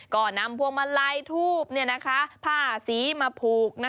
ก็นำพวงมาไล่ทูบเนี่ยนะคะผ้าสีมาผูกนะคะ